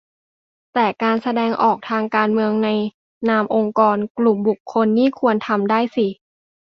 แต่การแสดงออกทางการเมืองในนามองค์กร-กลุ่มบุคคลนี่ควรทำได้สิ